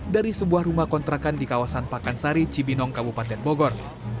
dari sebuah rumah kontrakan di kawasan pakansari cibinong kabupaten bogor